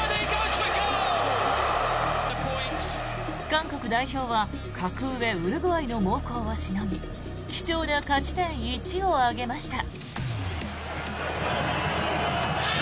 韓国代表は格上ウルグアイの猛攻をしのぎ貴重な勝ち点１を挙げました。